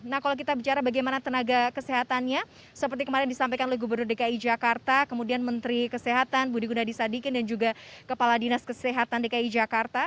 nah kalau kita bicara bagaimana tenaga kesehatannya seperti kemarin disampaikan oleh gubernur dki jakarta kemudian menteri kesehatan budi gunadisadikin dan juga kepala dinas kesehatan dki jakarta